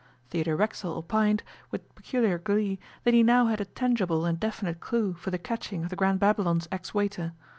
Theodore Racksole opined, with peculiar glee, that he now had a tangible and definite clue for the catching of the Grand Babylon's ex waiter.